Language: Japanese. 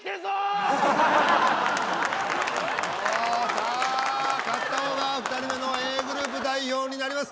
さあ勝ったほうが２人目のＡグループ代表になります。